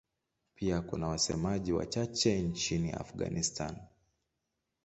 Pia kuna wasemaji wachache nchini Afghanistan.